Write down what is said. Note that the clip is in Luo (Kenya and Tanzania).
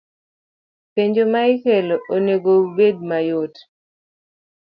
Penjo ma ikelo onego obed mayot